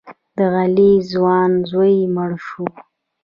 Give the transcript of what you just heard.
د علي ځوان زوی مړ شو.